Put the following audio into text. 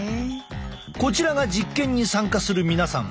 こちらが実験に参加する皆さん。